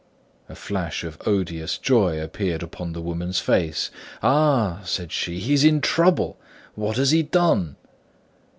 A flash of odious joy appeared upon the woman's face. "Ah!" said she, "he is in trouble! What has he done?"